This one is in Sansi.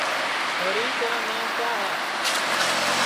چھوری تیرا ناو کیا ہے